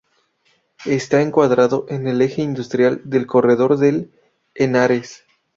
Está encuadrado en el eje industrial del Corredor del Henares.